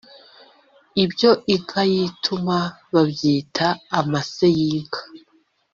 Ibyo Inka yituma babyita amase y’inka